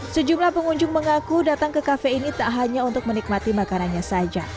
sejumlah pengunjung mengaku datang ke kafe ini tak hanya untuk menikmati makanannya saja